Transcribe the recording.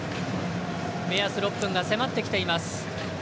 目安６分が迫ってきています。